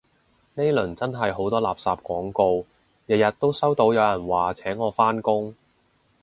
呢輪真係好多垃圾廣告，日日都收到有人話請我返工